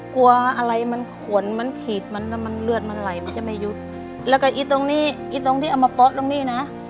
กลัวอะไรมันขนมันขีดมันมันเลือดมันไหลมันจะไม่ยุดแล้วอีตรงนี้เอามาป๊อกตรงนี้นะ